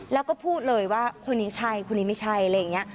แล้วก็พูดเลยว่าคนนี้ใช่คนนี้ไม่ใช่อะไรอย่างนี้